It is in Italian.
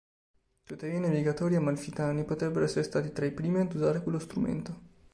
Tuttavia i navigatori amalfitani potrebbero essere stati tra i primi ad usare quello strumento.